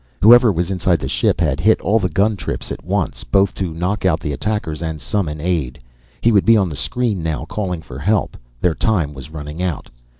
Whoever was inside the ship had hit all the gun trips at once, both to knock out the attackers and summon aid. He would be on the screen now, calling for help. Their time was running out.